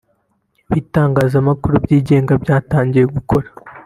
c) Ibitangazamakuru byigenga byatangiye gukora